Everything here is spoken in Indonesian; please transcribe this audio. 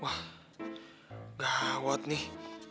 wah gawat nih